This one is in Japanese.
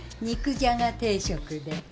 肉じゃが定食で。